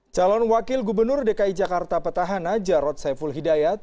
calon wakil gubernur dki jakarta petahana jarod saiful hidayat